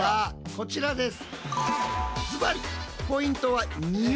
こちらです。